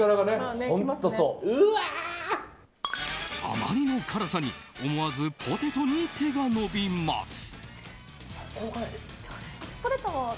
あまりの辛さに思わずポテトに手が伸びます。